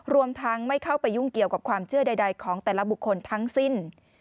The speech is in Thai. รวมทั้งไม่เข้าไปยุ่งเกี่ยวกับความเชื่อใดของแต่ละบุคคลทั้งสิ้น